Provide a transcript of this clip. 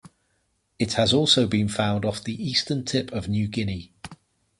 It has also been found off the eastern tip of New Guinea.